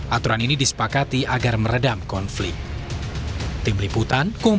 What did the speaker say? aturan ini disepakati agar meredam konflik